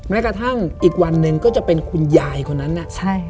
แม้กระทั่งอีกวันหนึ่งก็จะเป็นคุณยายคนนั้นน่ะใช่